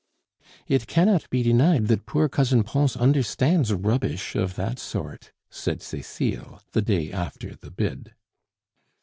"It cannot be denied that poor Cousin Pons understands rubbish of that sort " said Cecile, the day after the bid.